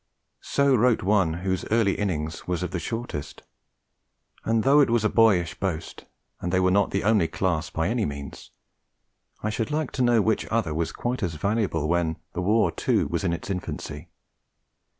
So wrote one whose early innings was of the shortest; and though it was a boyish boast, and they were not the only class by any means, I should like to know which other was quite as valuable when the war, too, was in its infancy?